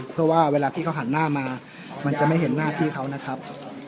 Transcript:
เพื่อว่าเวลาพี่เขาหันหน้ามามันจะไม่เห็นหน้าพี่เขานะครับ